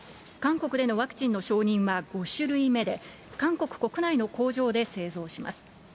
韓国でのワクチンの承認は５種類目で、韓国国内の工場で製造します。